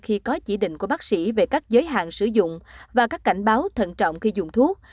khi có chỉ định của bác sĩ về các giới hạn sử dụng và các cảnh báo thận trọng khi dùng thuốc